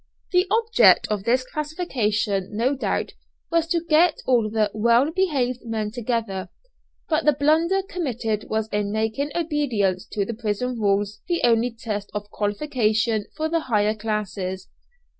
The object of this classification no doubt was to get all the well behaved men together, but the blunder committed was in making obedience to the prison rules the only test of qualification for the higher classes.